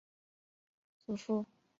祖父吴彦忠。